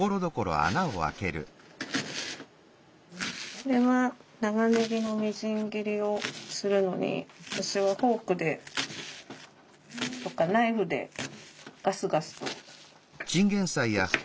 これは長ネギのみじん切りをするのに私はフォークでとかナイフでガスガスと。